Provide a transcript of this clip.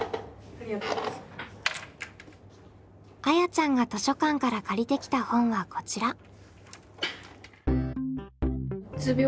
あやちゃんが図書館から借りてきた本はこちら。